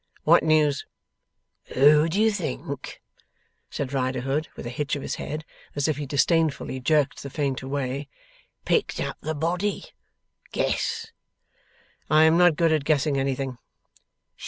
'What news?' 'Who do you think,' said Riderhood, with a hitch of his head, as if he disdainfully jerked the feint away, 'picked up the body? Guess.' 'I am not good at guessing anything.